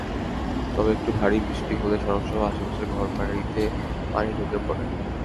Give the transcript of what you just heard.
তবু একটু ভারী বৃষ্টি হলে সড়কসহ আশপাশের ঘরবাড়িতে পানি ঢুকে পড়ে।